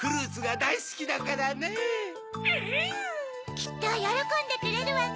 きっとよろこんでくれるわね。